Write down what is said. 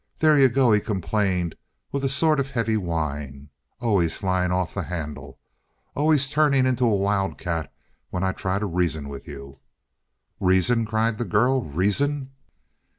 "There you go," he complained, with a sort of heavy whine. "Always flying off the handle. Always turning into a wildcat when I try to reason with you!" "Reason!" cried the girl. "Reason!"